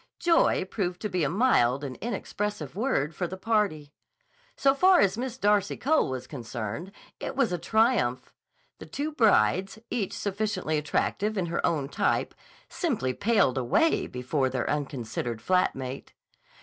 Joy proved to be a mild and inexpressive word for the party. So far as Miss Darcy Cole was concerned, it was a triumph. The two brides, each sufficiently attractive in her own type, simply paled away before their unconsidered flat mate.